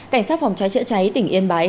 cảnh sát phòng cháy chữa cháy tỉnh yên bái